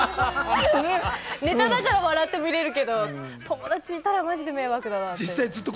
ネタだから笑って見られるけど、友達にいたらマジ迷惑だなと。